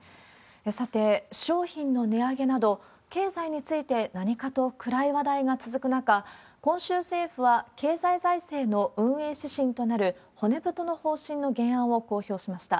さて、商品の値上げなど、経済について何かと暗い話題が続く中、今週、政府は経済財政の運営指針となる骨太の方針の原案を公表しました。